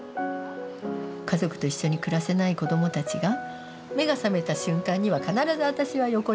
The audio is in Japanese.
家族と一緒に暮らせない子どもたちが目が覚めた瞬間には必ず私は横にいる。